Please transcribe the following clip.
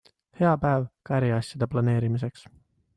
Hea päev ka äriasjade planeerimiseks.